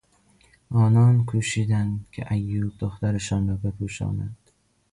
آنان کوشیدند که عیوب دخترشان را بپوشانند.